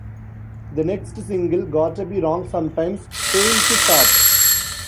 The next single, "Gotta Be Wrong Sometimes", failed to chart.